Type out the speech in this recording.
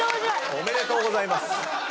おめでとうございます。